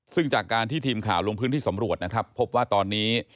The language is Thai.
ซึ่งจากการที่ทีมข่าวลงพื้นที่สำรวจนะครับพบว่าตอนนี้